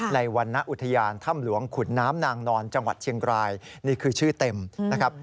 วรรณอุทยานถ้ำหลวงขุนน้ำนางนอนจังหวัดเชียงรายนี่คือชื่อเต็มนะครับ